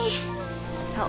そう。